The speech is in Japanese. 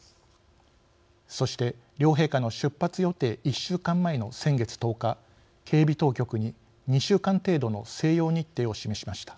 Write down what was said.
そして両陛下の出発予定１週間前の先月１０日、警備当局に２週間程度の静養日程を示しました。